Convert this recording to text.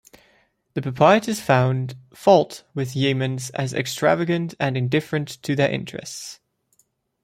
The proprietors found fault with Yeamans as extravagant and indifferent to their interests.